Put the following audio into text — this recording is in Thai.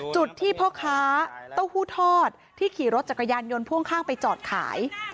จุดที่พ่อค้าเต้าหู้ทอดที่ขี่รถจักรยานยนต์พ่วงข้างไปจอดขาย